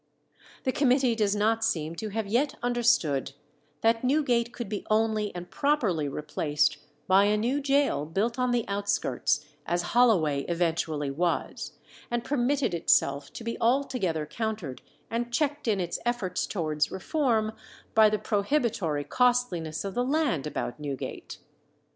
The committee does not seem to have yet understood that Newgate could be only and properly replaced by a new gaol built on the outskirts, as Holloway eventually was, and permitted itself to be altogether countered and checked in its efforts towards reform by the prohibitory costliness of the land about Newgate.